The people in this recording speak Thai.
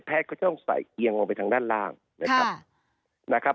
แพทย์ก็จะต้องใส่เอียงลงไปทางด้านล่างนะครับ